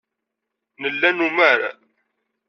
Nella numar.